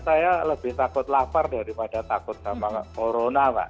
saya lebih takut lapar daripada takut sama corona mbak